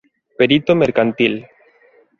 Perito mercantil.